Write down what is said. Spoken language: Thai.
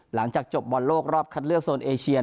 หลังจากจบบอลโลกรอบคัดเลือกโซนเอเชีย